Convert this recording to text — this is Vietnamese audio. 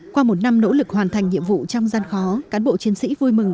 qua một năm nỗ lực hoàn thành nhiệm vụ trong gian khó cán bộ chiến sĩ vui mừng